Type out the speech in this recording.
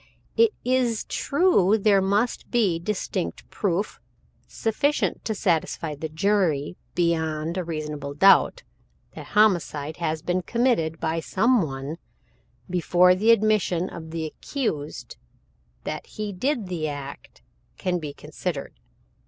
It is true there must be distinct proof, sufficient to satisfy the jury, beyond a reasonable doubt, that homicide has been committed by some one, before the admission of the accused that he did the act can be considered.